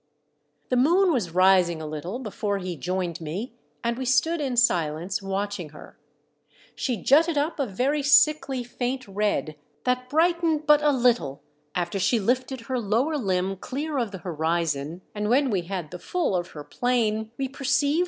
The moon was rising a little before he joined me, and we stood in silence watching her. She jutted up a very sickly faint red, that brightened but a little after she lifted her lower limb clear of the horizon, and when we had the full of her plain we perceived 52 THE DEATH SHIP.